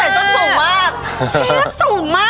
ที่เราใส่ต้นสูงมาก